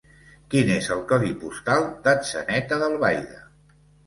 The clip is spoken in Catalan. Quin és el codi postal d'Atzeneta d'Albaida?